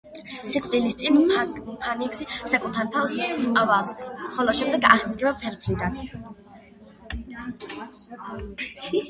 სიკვდილის წინ ფენიქსი საკუთარ თავს წვავს, ხოლო შემდეგ აღსდგება ფერფლიდან.